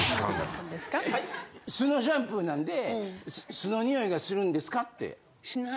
酢のシャンプーなんで酢のニオイがするんですかって。